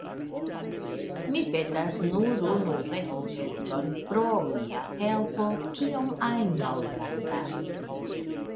Mi petas nur unu rekompencon pro mia helpo, kiom ajn malgranda.